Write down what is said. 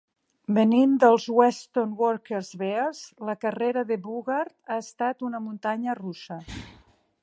Venint dels Weston Workers Bears, la carrera de Boogaard ha estat una muntanya russa.